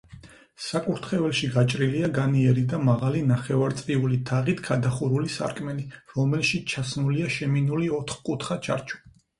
საკურთხეველში გაჭრილია განიერი და მაღალი, ნახევარწრიული თაღით გადახურული სარკმელი, რომელშიც ჩასმულია შემინული ოთკუთხა ჩარჩო.